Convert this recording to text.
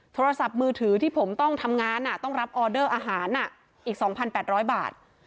โทรศัพท์มือถือที่ผมต้องทำงานต้องรับออเดอร์อาหารอีก๒๘๐๐บาท